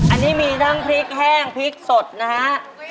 อันนี้มีทั้งพริกแห้งพริกสดนะฮะ